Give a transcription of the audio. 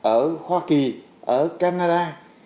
ở hoa kỳ ở canada